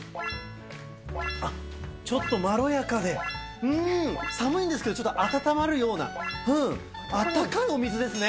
あっ、ちょっとまろやかで、うーん、寒いんですけれども、ちょっとあたたまるような、うん、あったかいお水ですね。